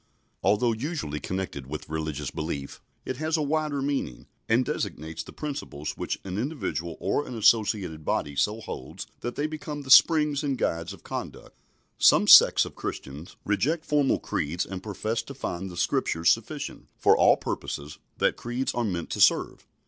Although usually connected with religious belief, it has a wider meaning, and designates the principles which an individual or an associated body so holds that they become the springs and guides of conduct. Some sects of Christians reject formal creeds and profess to find the Scriptures sufficient for all purposes that creeds are meant to serve.